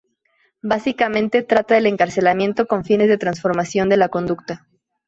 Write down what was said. Básicamente trata del encarcelamiento con fines de transformación de la conducta.